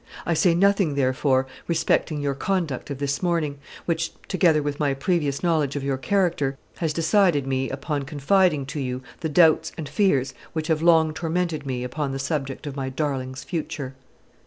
I say nothing, therefore, respecting your conduct of this morning, which, together with my previous knowledge of your character, has decided me upon confiding to you the doubts and fears which have long tormented me upon the subject of my darling's future.